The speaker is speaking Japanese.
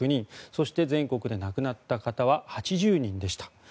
そして全国で亡くなった方は８０人でした。